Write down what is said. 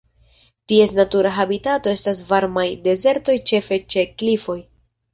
Ties natura habitato estas varmaj dezertoj ĉefe ĉe klifoj.